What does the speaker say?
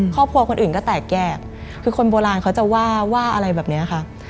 ครอบครัวคนอื่นก็แตกแยกคือคนโบราณเขาจะว่าอะไรแบบเนี่ยค่ะ